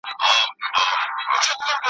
ځيني وخت دښمن د تير ايستلو کوښښ کوي.